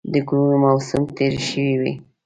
د ګلونو موسم تېر شوی وي